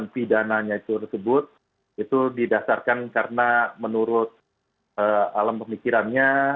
pidananya itu tersebut itu didasarkan karena menurut alam pemikirannya